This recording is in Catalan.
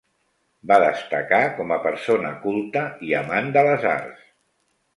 Va destacar com a persona culta i amant de les arts.